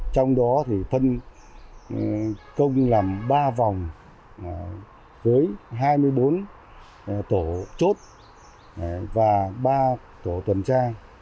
trong đó thì phân công làm ba vòng với hai mươi bốn tổ chốt và ba tổ tuần tra